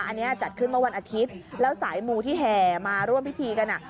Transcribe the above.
อันนี้จัดขึ้นเมื่อวันอาทิตย์แล้วสายมูที่แห่มาร่วมพิธีกันอ่ะ